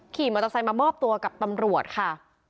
ขี่มอเตอร์ไซค์มามอบตัวกับตำรวจค่ะ